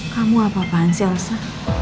kamu apa apaan sih elsa